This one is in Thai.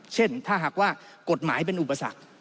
เช่นถ้าหากว่ากฎหมายเป็นอุปสรรค